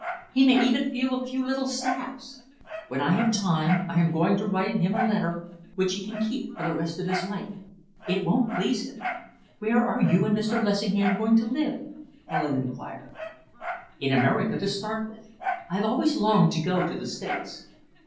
He may even feel a few little stabs. When I have time, I am going to write him a letter which he can keep for the rest of his life. It won't please him!" "Where are you and Mr. Lessingham going to live?" Helen enquired. "In America, to start with. I've always longed to go to the States."